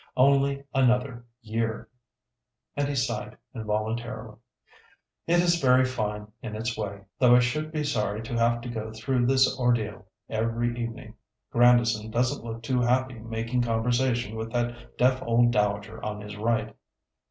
Only another year!" and he sighed involuntarily. "It is very fine in its way, though I should be sorry to have to go through this ordeal every evening. Grandison doesn't look too happy making conversation with that deaf old dowager on his right.